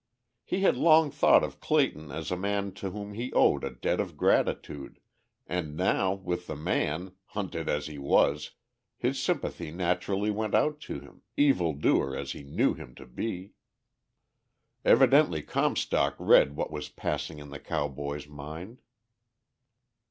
He had long thought of Clayton as a man to whom he owed a debt of gratitude, and now with the man, hunted as he was, his sympathy naturally went out to him, evil doer as he knew him to be. Evidently Comstock read what was passing in the cowboy's mind.